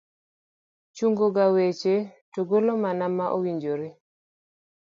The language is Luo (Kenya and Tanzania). chungo ga weche to golo mana ma owinjore